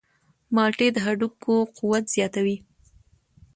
مالټې د هډوکو قوت زیاتوي.